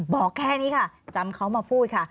บอกแค่นี้ค่ะจำเขามาพูดค่ะ